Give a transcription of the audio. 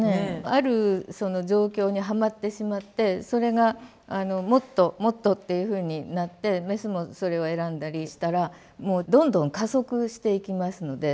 ある状況にはまってしまってそれがもっともっとっていうふうになってメスもそれを選んだりしたらもうどんどん加速していきますので。